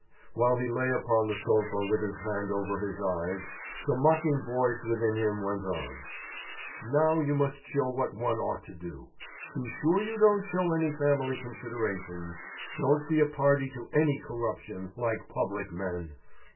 While he lay upon the sofa with his hand over his eyes, the mocking voice within him went on: "Now you must show what one ought to do. Be sure you don't show any family considerations; don't be a party to any corruption, like public men!